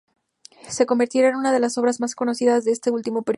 Se convertiría en una de las obras más conocidas de este último periodo.